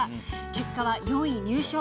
結果は４位入賞。